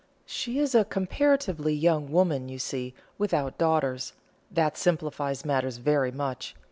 "She is a comparatively young woman, you see, without daughters; that simplifies matters very much.